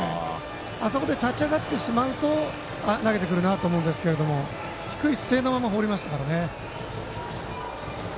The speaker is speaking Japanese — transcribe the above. あそこで立ち上がってしまうとあ、投げてくるなと思うんですが低い姿勢のまま放りましたからね。